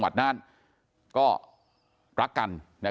กลุ่มตัวเชียงใหม่